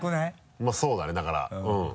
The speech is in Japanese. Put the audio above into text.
まぁそうだねだからうん。